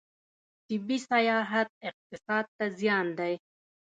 طبي سیاحت اقتصاد ته زیان دی.